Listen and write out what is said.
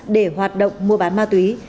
để hoạt động mua bán ma túy